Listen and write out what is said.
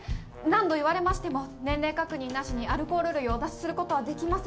何度言われましても年齢確認なしにアルコール類をお出しすることはできません。